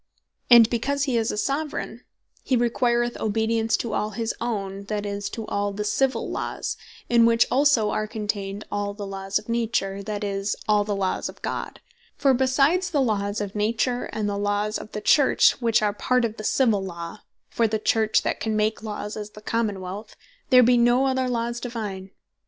And because he is a Soveraign, he requireth Obedience to all his owne, that is, to all the Civill Laws; in which also are contained all the Laws of Nature, that is, all the Laws of God: for besides the Laws of Nature, and the Laws of the Church, which are part of the Civill Law, (for the Church that can make Laws is the Common wealth,) there bee no other Laws Divine.